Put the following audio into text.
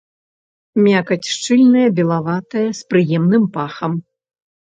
Мякаць шчыльная, белаватая, з прыемным пахам.